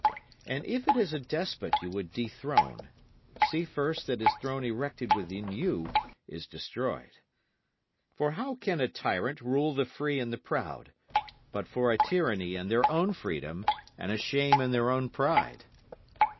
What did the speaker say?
And if it is a despot you would dethrone, see first that his throne erected within you is destroyed. For how can a tyrant rule the free and the proud, but for a tyranny in their own freedom and a shame in their own pride?